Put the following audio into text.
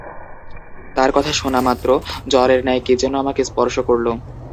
তার কথা শুনামাত্র জ্বরের ন্যায় কি যেন আমাকে স্পর্শ করল।